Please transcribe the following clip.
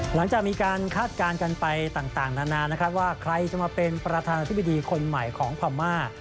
หลังจากมีการคาดการณ์กันไปต่างนานานะครับว่าใครจะมาเป็นประธานาธิบดีคนใหม่ของพม่า